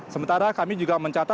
sementara kami juga mencatatkan